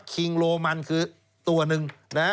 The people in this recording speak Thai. คิงโรมันคือตัวหนึ่ง